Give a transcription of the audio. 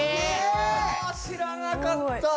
知らなかった！